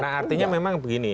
nah artinya memang begini